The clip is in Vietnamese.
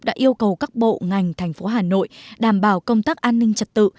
đã yêu cầu các bộ ngành thành phố hà nội đảm bảo công tác an ninh trật tự